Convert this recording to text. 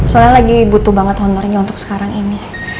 soalnya lagi butuh banget honornya untuk sekarang ini